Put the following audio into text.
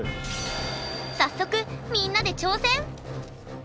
早速みんなで挑戦！